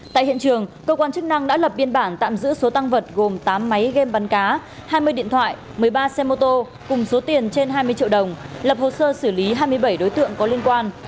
tại hiện trường cơ quan chức năng đã lập biên bản tạm giữ số tăng vật gồm tám máy game bắn cá hai mươi điện thoại một mươi ba xe mô tô cùng số tiền trên hai mươi triệu đồng lập hồ sơ xử lý hai mươi bảy đối tượng có liên quan